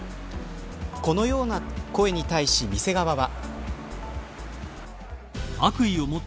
このような声に対し店側は。